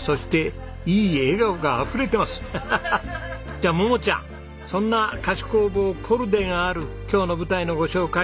じゃあ桃ちゃんそんな菓子工房コルデがある今日の舞台のご紹介